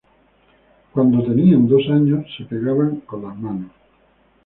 Cuando tenían dos años, se pegaban con las manos.